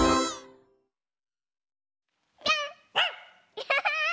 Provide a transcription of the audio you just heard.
アハハ！